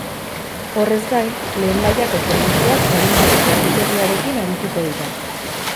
Horrez gain, lehen mailako zerbitzuak larunbateko ordutegiarekin arituko dira.